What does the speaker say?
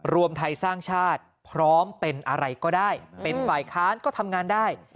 รวมไทยสร้างชาติพร้อมเป็นอะไรก็ได้เป็นฝ่ายค้านก็ทำงานได้